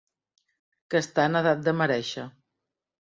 Que està en edat de merèixer.